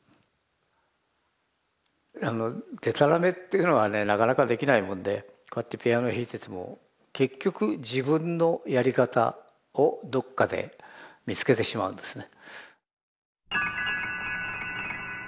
でたらめっていうのはねなかなかできないもんでこうやってピアノ弾いてても結局自分のやり方をどっかで見つけてしまうんですね。